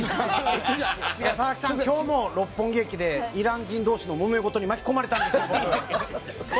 今日も六本木駅でイラン人同士のもめごとに巻き込まれたんです。